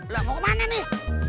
lah mau kemana nih